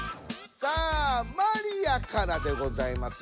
さあマリアからでございます。